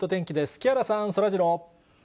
木原さん、そらジロー。